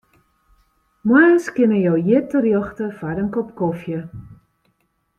Moarns kinne jo hjir terjochte foar in kop kofje.